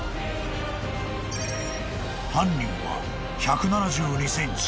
［犯人は１７２ｃｍ］